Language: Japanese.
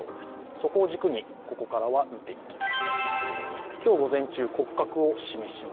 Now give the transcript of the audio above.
そこを軸にここからは見ていきます。